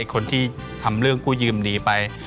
คนที่ทำเรื่องกู้ยืมหนีไป